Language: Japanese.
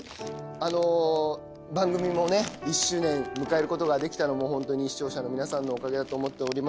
あの番組もね１周年迎えることができたのもホントに視聴者の皆さんのおかげだと思っております。